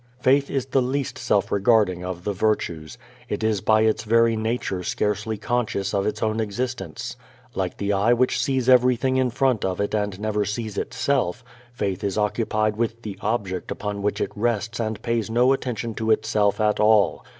Faith is the least self regarding of the virtues. It is by its very nature scarcely conscious of its own existence. Like the eye which sees everything in front of it and never sees itself, faith is occupied with the Object upon which it rests and pays no attention to itself at all.